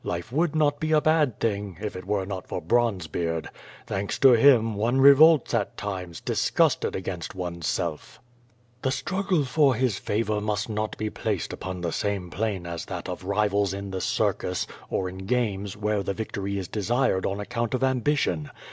Life would not be a bad thing, if it were not for Bronzebeard. Thanks to him, one revolts at times, disgusted against oneself. The struggle for his favor must not be placed upon the same plane as that of rivals in the circus, or in games, where the victory is desired on account of ambition.